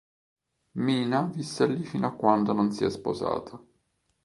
Mina visse lì fino a quando non si è sposata.